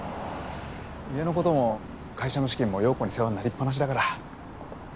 家のことも会社の資金も陽子に世話になりっぱなしだから。